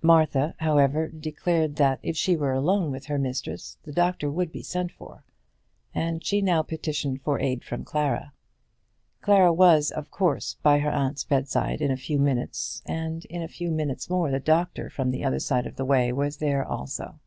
Martha, however, declared that if she were alone with her mistress the doctor would be sent for; and she now petitioned for aid from Clara. Clara was, of course, by her aunt's bedside in a few minutes, and in a few minutes more the doctor from the other side of the way was there also.